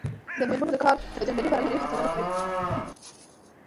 د میرمنو کار د جنډر برابرۍ هڅونه کوي.